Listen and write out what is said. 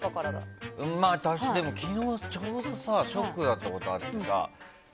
昨日ちょうどショックだったことがあってさ。